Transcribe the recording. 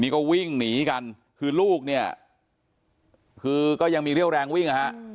คือลูกเนี่ยคือก็ยังมีเรี่ยวแรงวิ่งอะฮะ